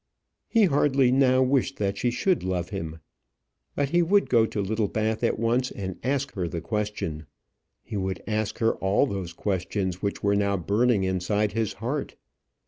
He hardly now wished that she should love him. But he would go to Littlebath at once and ask her the question. He would ask her all those questions which were now burning inside his heart.